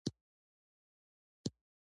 شاعران د ماښام ښکلا ته شعرونه وايي.